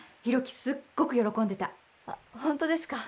すっごく喜んでたホントですか？